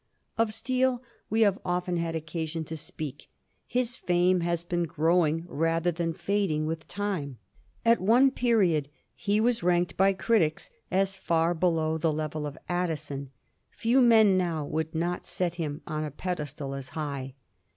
Of Steele we have often had occasion to speak. His fame has been growing rather than fading with time. At one period he was ranked by critics as far below the level of Addison ; few men now would not set him on a pedestal as high.